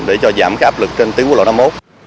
để cho giảm áp lực trên tuyến quốc lộ năm một